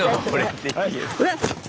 って。